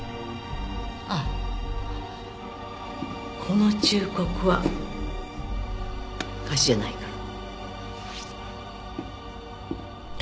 ああこの忠告は貸しじゃないから。